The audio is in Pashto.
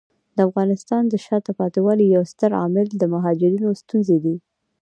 د افغانستان د شاته پاتې والي یو ستر عامل د مهاجرینو ستونزې دي.